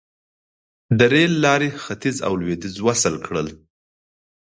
د ریل لارې ختیځ او لویدیځ وصل کړل.